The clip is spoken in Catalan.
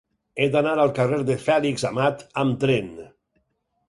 He d'anar al carrer de Fèlix Amat amb tren.